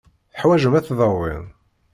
Teḥwajem ad tdawim.